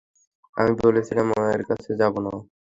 আমি বলেছিলাম মায়ের কাছে যাবো না।